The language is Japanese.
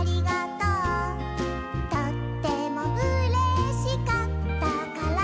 「とってもうれしかったから」